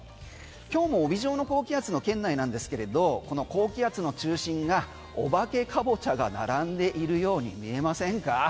今日も帯状の高気圧の圏内なんですけれどこの高気圧の中心がお化けカボチャが並んでいるように見えませんか？